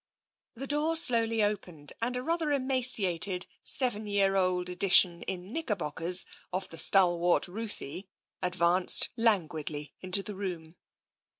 The door slowly opened, and a rather emaciated, seven year old edition in knickerbockers of the stal wart Ruthie advanced languidly into the room.